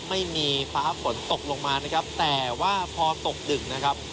ไม่มีฟ้าฝนตกลงมานะครับแต่ว่าพอตกดึกนะครับ